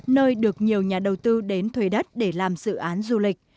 nơi được nhiều nhà đầu tư đến thuê đất để làm dự án du lịch